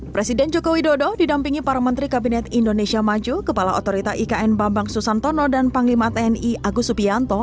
presiden jokowi dodo didampingi para menteri kabinet indonesia maju kepala otorita ikn bambang susantono dan panglima tni agus supianto